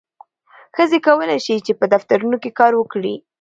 ښځې کولی شي په دفترونو کې کار وکړي.